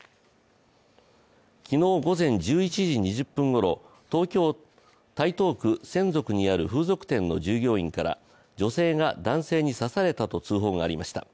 昨日午前１１時２０分ごろ、台東区千束にある風俗店の従業員から女性が男性に刺されたと通報がありました。